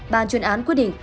bàn chuyên án quyết định